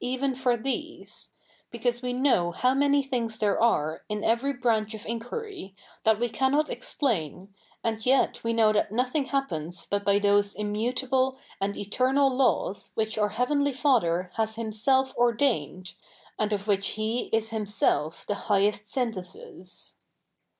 i for these ; because we know how many thi?igs there are, i?i every branch of inquiry, that we ca7inot explain, and yet we knoiv that iiothing happens but by those immutable and ete?'nal laws which our Heavenly Father has Himself ordained, ajid of which He is Himself the highest synthesis.